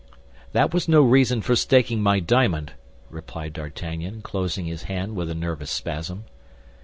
"That was no reason for staking my diamond!" replied D'Artagnan, closing his hand with a nervous spasm.